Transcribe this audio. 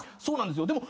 そうなんですよ。